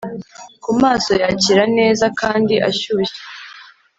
kumaso yakira neza kandi ashyushye